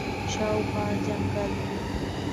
شاوخوا جنګل وو.